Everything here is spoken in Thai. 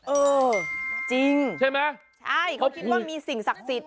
เออจริงใช่ไหมใช่เขาคิดว่ามีสิ่งศักดิ์สิทธิ